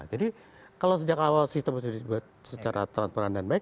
jadi kalau sejak awal sistem itu dibuat secara transparan dan baik